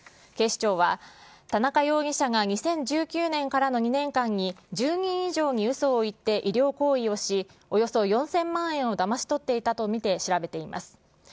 警視庁は田中容疑者が２０１９年からの２年間に、１０人以上にうそを言って医療行為をし、およそ４０００万円をだまし取っていたと見て調べています。